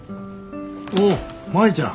おお舞ちゃん。